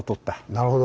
なるほど。